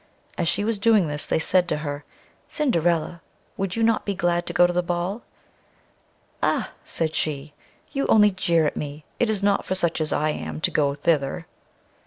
As she was doing this, they said to her: "Cinderilla, would you not be glad to go to the ball?" "Ah!" said she, "you only jeer at me; it is not for such as I am to go thither."